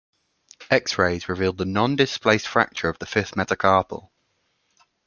X-rays revealed a non-displaced fracture of the fifth metacarpal.